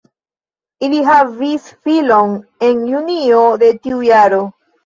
Ili havis filon en junio de tiu jaro.